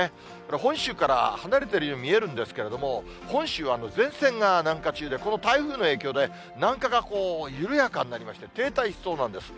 本州から離れているように見えるんですけれども、本州は前線が南下中で、この台風の影響で、南下が緩やかになりまして停滞しそうなんです。